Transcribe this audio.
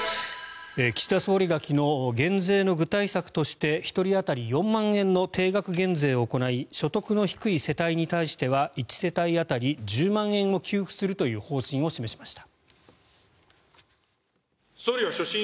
岸田総理が昨日減税の具体策として１人当たり４万円の定額減税を行い所得の低い世帯に対しては１世帯当たり１０万円を給付するという方針を示しました。